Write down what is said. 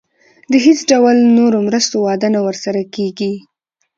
د هیڅ ډول نورو مرستو وعده نه ورسره کېږي.